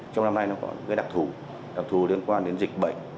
trong năm nay nó có những đặc thù đặc thù liên quan đến dịch bệnh